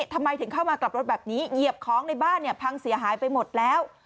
ทำไมถึงเข้ามากลับรถแบบนี้เหยียบของในบ้านเนี่ยพังเสียหายไปหมดแล้ว